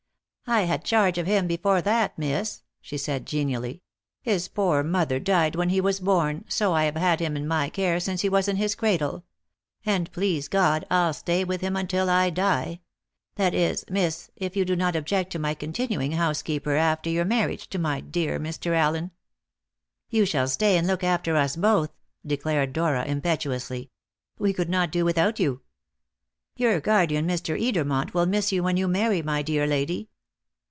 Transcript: "I had charge of him before that, miss," she said genially; "his poor mother died when he was born, so I have had him in my care since he was in his cradle. And, please God, I'll stay with him until I die that is, miss, if you do not object to my continuing housekeeper after your marriage to my dear Mr. Allen?" "You shall stay and look after us both," declared Dora impetuously; "we could not do without you." "Your guardian, Mr. Edermont, will miss you when you marry, my dear lady."